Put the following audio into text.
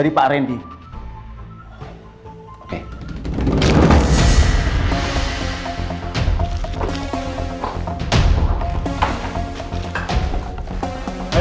dia udah disuruh haji's gunjacow senggeta eyebrows